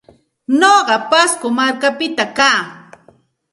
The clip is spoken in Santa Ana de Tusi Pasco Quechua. Nuqaqa Pasco markapita kaa.